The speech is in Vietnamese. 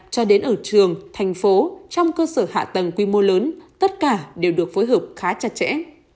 cho đến ở trường thành phố trong cơ sở hạ tầng quy mô lớn tất cả đều được phối hợp khá chặt chẽ